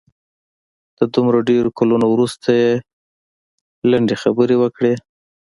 د دومره ډېرو کلونو وروسته یې لنډې خبرې وکړې.